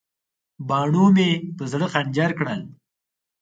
باڼو مې په زړه خنجر کړل.